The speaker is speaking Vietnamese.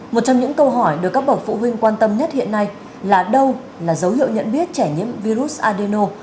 một trong những câu hỏi được các bậc phụ huynh quan tâm nhất hiện nay là đâu là dấu hiệu nhận biết trẻ nhiễm virus adeno